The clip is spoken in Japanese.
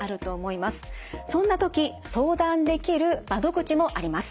そんな時相談できる窓口もあります。